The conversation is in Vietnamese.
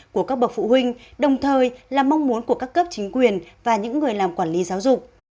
của các bậc phụ huynh đồng thời là mong muốn của các cấp chính quyền và những người làm quản lý giáo dục